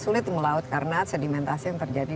sulit melaut karena sedimentasi yang terjadi